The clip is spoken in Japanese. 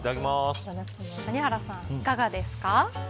谷原さん、いかがですか。